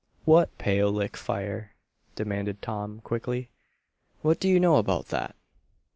"What Pale Lick fire?" demanded Tom, quickly. "What do you know about that?"